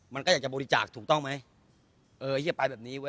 มันก็อยากจะบริจาคถูกต้องไหมเออเยียบไปแบบนี้เว้